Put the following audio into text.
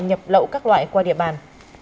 nhập lậu các loại qua địa bàn